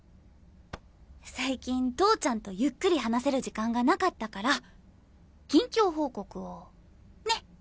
最近投ちゃんとゆっくり話せる時間がなかったから近況報告をね。